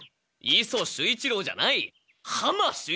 磯守一郎じゃない浜守